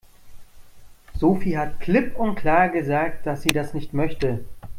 Sophie hat klipp und klar gesagt, dass sie das nicht möchte.